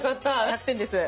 １００点です。